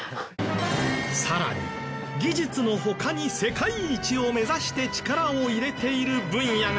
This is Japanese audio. さらに技術の他に世界一を目指して力を入れている分野が。